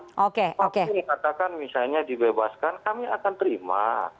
apapun katakan misalnya dibebaskan kami akan terima